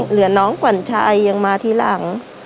เหลือน้องขวัญชัยยังมาทีหลัง